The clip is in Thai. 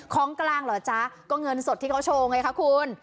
ของกลางเหรอจ๊ะก็เงินสดที่เขาโชว์ไงคะคุณ